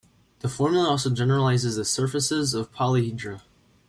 The formula also generalizes to surfaces of polyhedra.